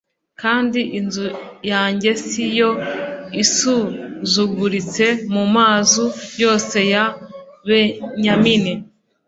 kandi inzu yanjye si yo isuzuguritse mu mazu yose ya benyamini